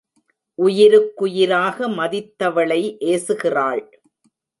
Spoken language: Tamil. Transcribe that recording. உயிருக்குயிராக மதித்தவளை ஏசுகிறாள்.